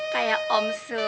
kaya om sul